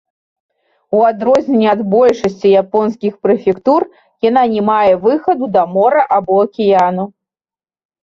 У адрозненне ад большасці японскіх прэфектур, яна не мае выхаду да мора або акіяну.